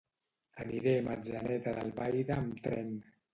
Anirem a Atzeneta d'Albaida amb tren.